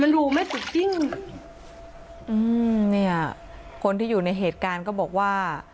มันรู้ไม่จุดจริงคนที่อยู่ในเหตุการณ์ก็บอกว่า